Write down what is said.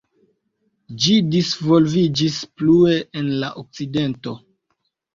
Ĝi disvolviĝis plue en la Okcidento.